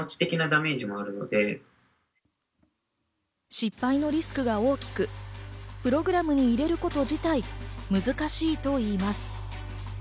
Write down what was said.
失敗のリスクが大きくプログラムに入れること自体、難しいといいます。